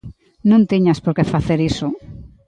_Non tiñas por que facer iso.